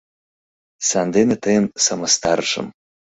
Сандене тыйым сымыстарышым.